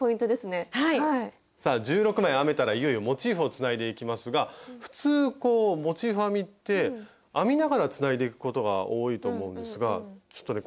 さあ１６枚編めたらいよいよモチーフをつないでいきますが普通モチーフ編みって編みながらつないでいくことが多いと思うんですがちょっとね